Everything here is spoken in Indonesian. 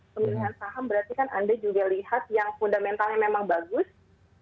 pemilihan saham berarti kan anda juga lihat yang fundamentalnya memang bagus